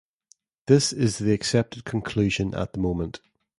This is the accepted conclusion at the moment.